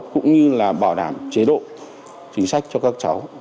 cũng như là bảo đảm chế độ chính sách cho các cháu